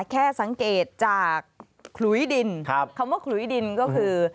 แค่สังเกตจากขลุยดินคำว่าขลุยดินก็คือ